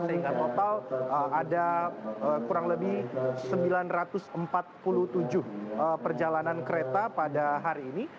sehingga total ada kurang lebih sembilan ratus empat puluh tujuh perjalanan kereta pada hari ini